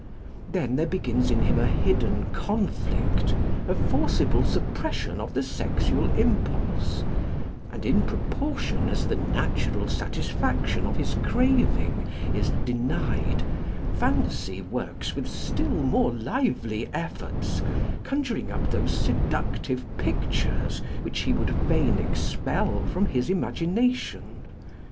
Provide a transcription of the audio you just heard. Then there begins in him a hidden conflict, a forcible suppression of the sexual impulse; and in proportion as the natural satisfaction of his craving is denied, fancy works with still more lively efforts, conjuring up those seductive pictures which he would fain expel from his imagination.